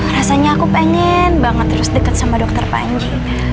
rasanya aku pengen banget terus deket sama dokter panji